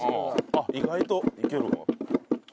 あっ意外といけるわ。